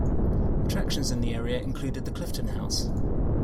Attractions in the area included the Clifton House.